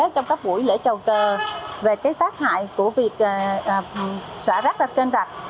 trong các buổi lễ trầu cơ về tác hại của việc xả rác rạp kênh rạp